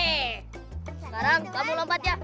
sekarang kamu lompat ya